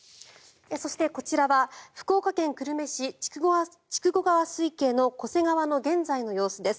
そして、こちらは福岡県久留米市筑後川水系の巨瀬川の現在の様子です。